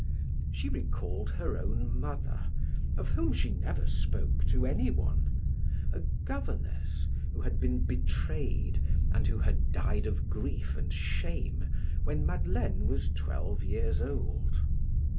She recalled her own mother, of whom she never spoke to anyone a governess who had been betrayed and who had died of grief and shame when Madeleine was twelve years old.